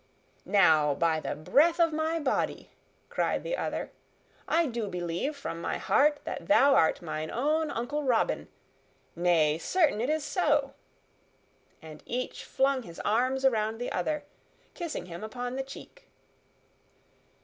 "Now, by the breath of my body!" cried the other, "I do believe from my heart that thou art mine own Uncle Robin. Nay, certain it is so!" And each flung his arms around the other, kissing him upon the cheek.